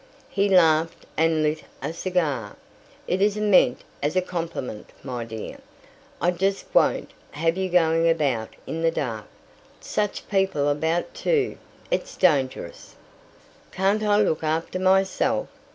He laughed, and lit a cigar. "It isn't meant as a compliment, my dear. I just won't have you going about in the dark. Such people about too! It's dangerous. " "Can't I look after myself?